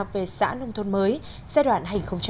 về xã nông thôn mới giai đoạn